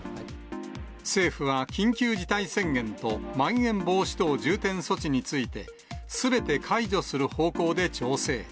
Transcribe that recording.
政府は緊急事態宣言と、まん延防止等重点措置について、すべて解除する方向で調整。